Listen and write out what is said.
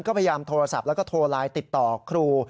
ก็พยายามโทรศัพท์และโทรลายติดต่อครู